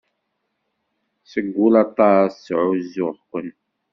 Seg wul aṭas ttɛuzzuɣ-ken.